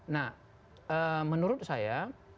nah menurut saya